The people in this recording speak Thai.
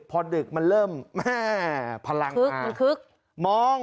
พอดึกมันเริ่มแม่พลังคึกมันคึกมอง